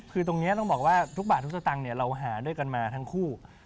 คือตรงนี้ต้องบอกว่าทุกบาททุกสตางค์เราหาด้วยกันมาทั้งคู่